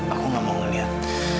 aku gak mau ngeliat